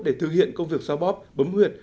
để thực hiện công việc so bóp bấm huyệt